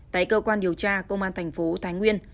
tại cơ quan điều tra công an thành phố thái nguyên